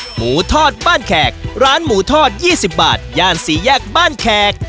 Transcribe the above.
หมูทอดบ้านแขกร้านหมูทอด๒๐บาทย่าน๔แยกบ้านแขก